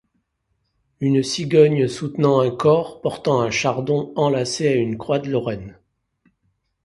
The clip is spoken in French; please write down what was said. Une cigogne soutenant un cor portant un chardon enlacé à une Croix de Lorraine.